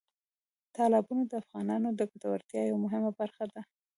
تالابونه د افغانانو د ګټورتیا یوه مهمه برخه ده.